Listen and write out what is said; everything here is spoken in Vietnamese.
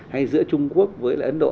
hay giữa trung quốc với lại ấn độ